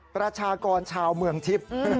ประชากรชาวเมืองทิพย์